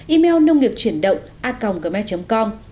email nông nghiệp truyền động a com gmail com